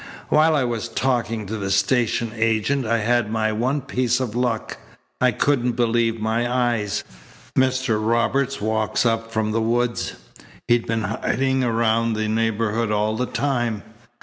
While I was talking to the station agent I had my one piece of luck. I couldn't believe my eyes. Mr. Robert walks up from the woods. He'd been hiding around the neighbourhood all the time.